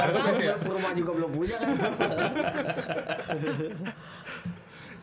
rumah juga belum punya kan